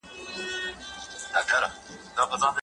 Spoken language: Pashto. چاپېريال پاک ساتل روغتيا تضمينوي.